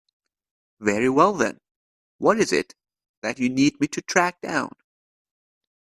Very well then, what is it that you need me to track down?